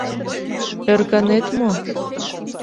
— Ӧрканет мо?